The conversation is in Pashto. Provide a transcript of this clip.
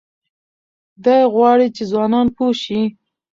دی غواړي چې ځوانان پوه شي.